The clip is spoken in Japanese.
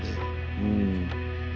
うん。